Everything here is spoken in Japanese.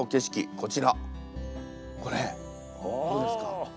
これこれですか？